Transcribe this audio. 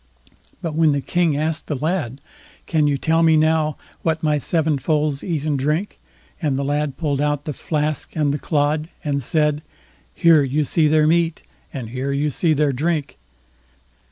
But when the King asked the lad: "Can you tell me now, what my seven foals eat and drink?" and the lad pulled out the flask and the clod, and said: "Here you see their meat, and here you see their drink."